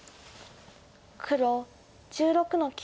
黒１６の九。